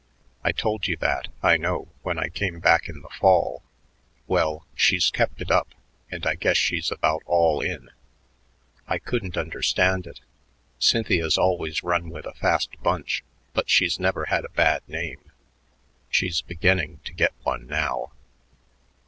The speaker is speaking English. I told you that, I know, when I came back in the fall. Well, she's kept it up, and I guess she's about all in. I couldn't understand it. Cynthia's always run with a fast bunch, but she's never had a bad name. She's beginning to get one now."